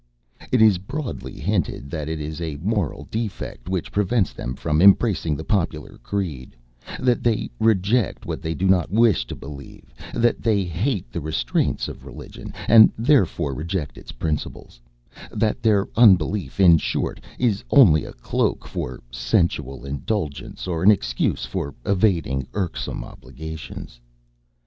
It is broadly hinted that it is a moral defect which prevents them from embracing the popular creed; that they reject what they do not wish to believe; that they hate the restraints of religion, and therefore reject its principles; that their unbelief, in short, is only a cloak for sensual indulgence or an excuse for evading irksome obligations.